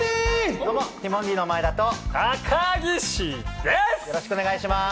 どうも、ティモンディの前田高岸です。